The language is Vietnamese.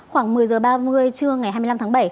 khoảng một mươi h ba mươi trưa ngày hai mươi năm tháng bảy